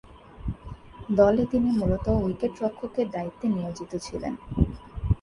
দলে তিনি মূলত উইকেট-রক্ষকের দায়িত্বে নিয়োজিত ছিলেন।